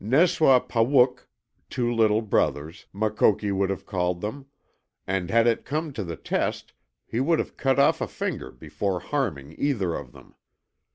NESWA PAWUK ("two little brothers") Makoki would have called them; and had it come to the test he would have cut off a finger before harming either of them.